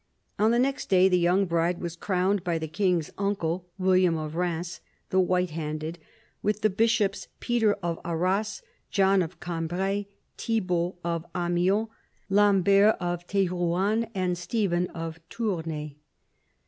On the next day the young bride was crowned by the king's uncle, William of Eheims the " white handed," with the bishops, Peter of Arras, John of Cambray, Thibault of Amiens, Lambert of Terortanne, and Stephen of Tournai.